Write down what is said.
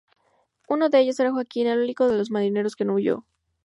Uno de ellos era Joaquín, el único de los marineros que no huyó.